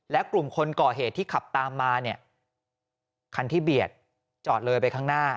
และกลุ่มคนก่อเหตุที่ขับตามมาเนี่ยคันที่เบียดจอดเลยไปข้างหน้า